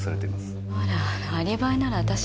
あらアリバイなら私だって。